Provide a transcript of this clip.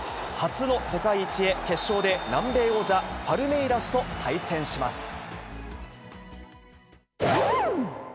初の世界一へ、決勝で南米王者、パルメイラスと対戦します。